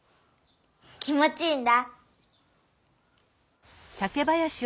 気もちいいんだ。